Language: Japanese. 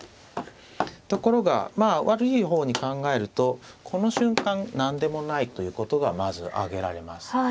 ところが悪い方に考えるとこの瞬間何でもないということがまず挙げられます。